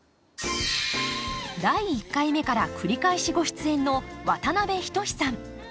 第１回目から繰り返しご出演の渡辺均さん。